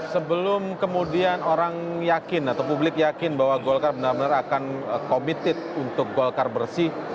sebelum kemudian orang yakin atau publik yakin bahwa golkar benar benar akan committed untuk golkar bersih